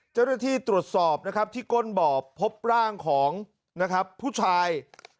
เจ้าหน้าที่ตรวจสอบนะครับที่ก้นบ่อพบร่างของนะครับผู้ชาย